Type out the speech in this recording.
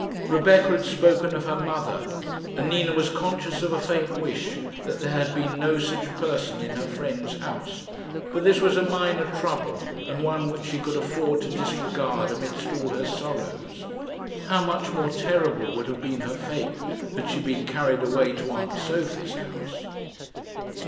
Rebecca had spoken of her mother, and Nina was conscious of a faint wish that there had been no such person in her friend's house; but this was a minor trouble, and one which she could afford to disregard amidst all her sorrows. How much more terrible would have been her fate had she been carried away to aunt Sophie's house!